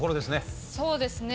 そうですね。